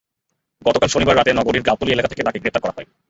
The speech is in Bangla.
গতকাল শনিবার রাতে নগরের গাবতলী এলাকা থেকে তাঁকে গ্রেপ্তার করা হয়।